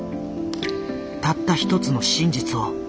たった一つの真実を。